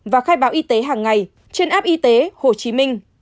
và khai báo y tế hàng ngày trên app y tế hồ chí minh